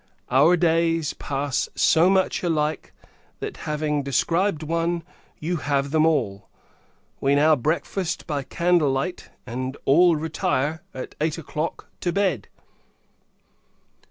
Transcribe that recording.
Our days pass so much alike that, having described one, you have them all. We now breakfast by candlelight; and all retire, at eight o'clock, to bed.